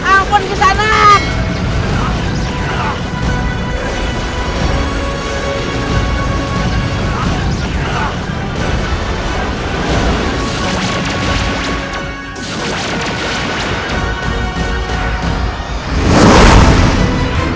ampun gizanak ampun